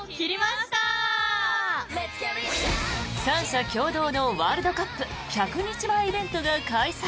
３社共同のワールドカップ１００日前イベントが開催。